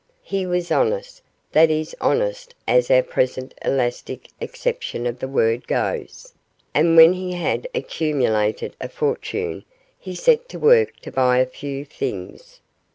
He was honest, that is honest as our present elastic acceptation of the word goes and when he had accumulated a fortune he set to work to buy a few things.